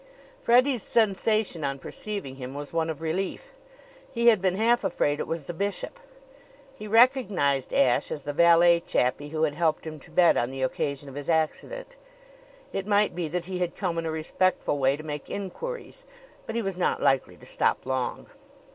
Freddie's sensation, on perceiving him, was one of relief. He had been half afraid it was the bishop. He recognized Ashe as the valet chappie who had helped him to bed on the occasion of his accident. It might be that he had come in a respectful way to make inquiries, but he was not likely to stop long.